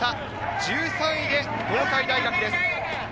１３位で東海大学です。